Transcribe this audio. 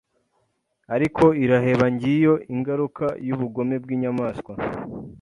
ariko irahebaNgiyo ingaruka y'ubugome bwinyamaswa